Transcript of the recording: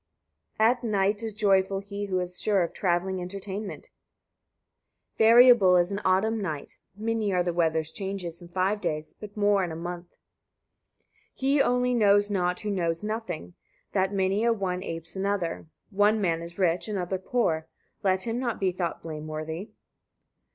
74. At night is joyful he who is sure of travelling entertainment. [A ship's yards are short.] Variable is an autumn night. Many are the weather's changes in five days, but more in a month. 75. He [only] knows not who knows nothing, that many a one apes another. One man is rich, another poor: let him not be thought blameworthy.